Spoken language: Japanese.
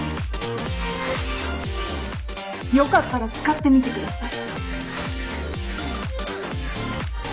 よかったら使ってみてください。